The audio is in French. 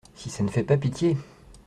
Si ça ne fait pas pitié !…